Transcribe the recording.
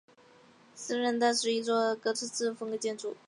斯特兰奈斯大教堂是一座哥特式风格建筑。